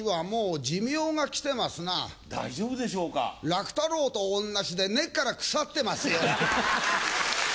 楽太郎と同じで根っから腐ってますよ。